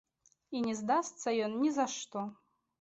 І не здасца ён нізашто.